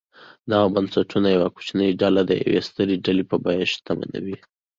دغه بنسټونه یوه کوچنۍ ډله د یوې سترې ډلې په بیه شتمنوي.